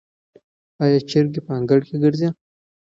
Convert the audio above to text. آیا چرګې په انګړ کې ګرځي؟